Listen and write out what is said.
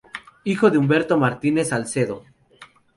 Hijo de Humberto Martínez Salcedo.